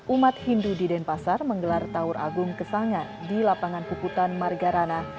umat hindu di denpasar menggelar taur agung kesanga di lapangan puputan margarana